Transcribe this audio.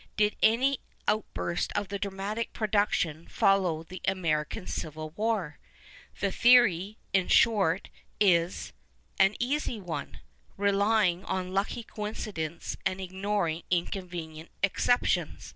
Did any outburst of dramatic production follow the American Civil War ? The theory, in short, is " an easy one," relying on lucky coineidc nce and igiu)ring inconvenient exceptions.